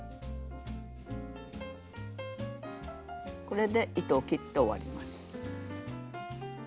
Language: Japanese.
これで糸を切って終わります。